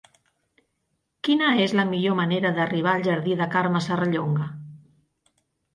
Quina és la millor manera d'arribar al jardí de Carme Serrallonga?